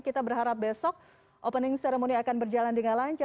kita berharap besok opening ceremony ini akan berlangsung